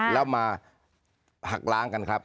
แล้วมาหักล้างกันครับ